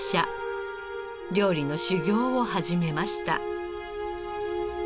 料理の修業を始めました。